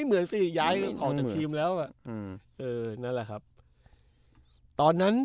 ฮ่า